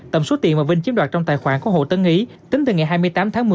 tầm số tiền mà vinh chiếm đoạt trong tài khoản của hồ tấn ý tính từ ngày hai mươi tám tháng một mươi